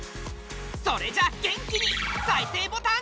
それじゃあ元気に再生ボタン。